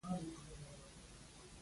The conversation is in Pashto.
پکورې د یووالي دسترخوان دي